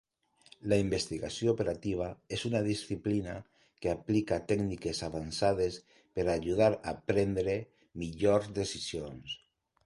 La investigació operativa és una disciplina que aplica tècniques avançades per ajudar a prendre millors decisions.